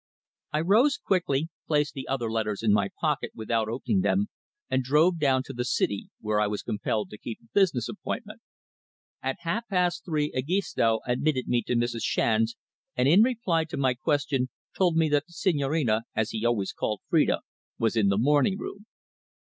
I rose quickly, placed the other letters in my pocket without opening them, and drove down to the City, where I was compelled to keep a business appointment. At half past three Egisto admitted me to Mrs. Shand's, and in reply to my question, told me that the "Signorina," as he always called Phrida, was in the morning room.